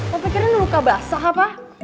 lo pikirin luka basah apa